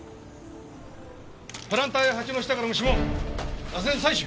プランターや鉢の下からも指紋忘れずに採取！